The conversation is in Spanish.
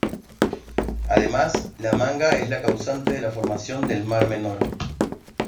Además, La Manga es la causante de la formación del Mar Menor.